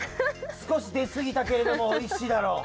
すこしですぎたけれどもおいしいだろう。